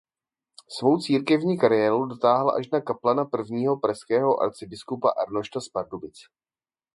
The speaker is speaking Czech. Svou církevní kariéru dotáhl až na kaplana prvního pražského arcibiskupa Arnošta z Pardubic.